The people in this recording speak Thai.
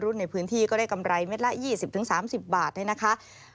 ก็จะได้กำไรเมตรละ๒๐๓๐บาทได้นะคะ